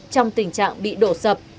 trong tình trạng bị đổ sập